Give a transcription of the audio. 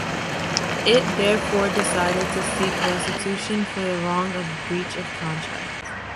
It therefore decided to seek restitution for the wrong of breach of contract.